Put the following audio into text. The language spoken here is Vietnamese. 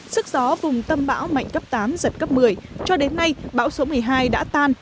sức gió vùng tâm bão mạnh cấp tám giật cấp một mươi cho đến nay bão số một mươi hai đã tan